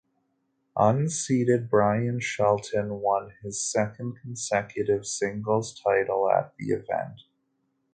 Unseeded Bryan Shelton won his second consecutive singles title at the event.